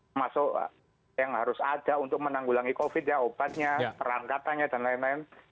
termasuk yang harus ada untuk menanggulangi covid ya obatnya perangkatannya dan lain lain